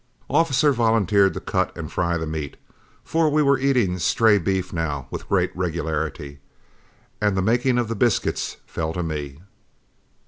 Officer volunteered to cut and fry the meat, for we were eating stray beef now with great regularity; and the making of the biscuits fell to me.